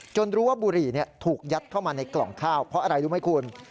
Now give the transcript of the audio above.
รู้ว่าบุหรี่ถูกยัดเข้ามาในกล่องข้าวเพราะอะไรรู้ไหมคุณ